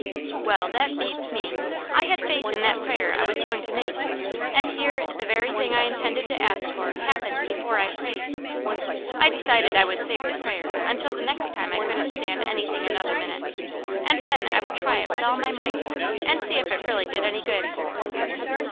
Well that beats me! I had faith in that prayer I was going to make, and here the very thing I intended to ask for happened before I prayed. I decided I would save the prayer until the next time I couldn't stand anything another minute, and then I would try it with all my might, and see if it really did any good.